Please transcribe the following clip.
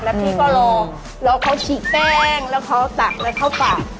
แล้วพี่ก็รอรอเขาฉีกแป้งแล้วเขาตักแล้วเข้าปาก